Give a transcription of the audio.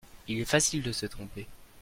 Il est facile de se tromper.